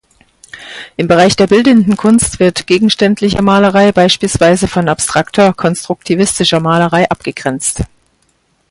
Im Bereich der Bildenden Kunst wird "Gegenständliche" Malerei beispielsweise von abstrakter, konstruktivistischer Malerei abgegrenzt.